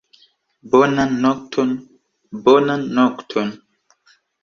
Bonan nokton, bonan nokton.